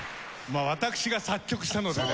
私が作曲したのでね。